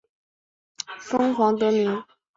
该站因其西边的巩华城而得名。